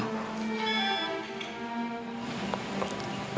kamu gak percaya itu